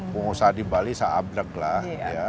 bukan di bali seabrek lah